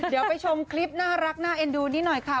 เดี๋ยวไปชมคลิปน่ารักน่าเอ็นดูนี้หน่อยค่ะ